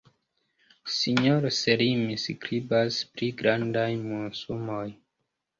Sinjoro Selimi skribas pri grandaj monsumoj.